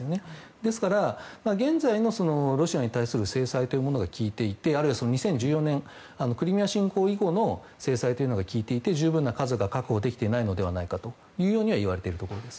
ですから、現在のロシアに対する制裁というものが効いていてあるいは２０１４年クリミア侵攻以降の制裁が効いていて十分な数が確保できていないのではないかと言われているところです。